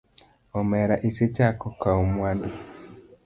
Omera isechako kawo mwandu.